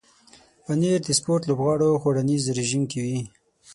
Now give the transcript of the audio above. پنېر د سپورت لوبغاړو خوړنیز رژیم کې وي.